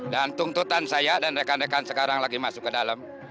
dan tuntutan saya dan rekan rekan sekarang lagi masuk ke dalam